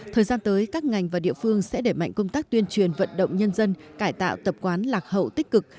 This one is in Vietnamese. thời gian tới các ngành và địa phương sẽ để mạnh công tác tuyên truyền vận động nhân dân cải tạo tập quán lạc hậu tích cực